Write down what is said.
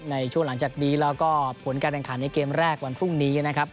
ในช่วงหลังจากนี้แล้วก็ผลการแข่งขันในเกมแรกวันพรุ่งนี้นะครับ